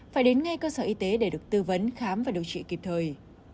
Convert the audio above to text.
phải đến ngay cơ sở y tế để được tư vấn khám và điều trị kịp thời